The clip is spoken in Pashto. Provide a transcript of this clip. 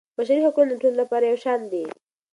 بشري حقونه د ټولو لپاره یو شان دي.